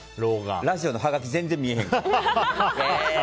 ラジオのはがき全然見えへん。